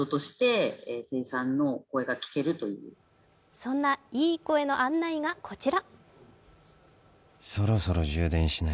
そんないい声の案内がこちら。